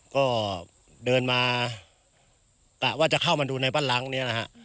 ก็เดินมากะว่าจะเข้ามาดูในบ้านหลังเนี่ยนะฮะ